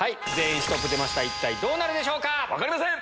一体どうなるでしょうか⁉分かりません！